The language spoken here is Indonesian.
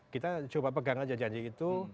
kita coba pegang aja janji itu